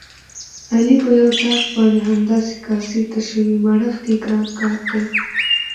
علي په یوڅآښت باندې همداسې کاسې تشوي، مړښت یې ګران کار دی.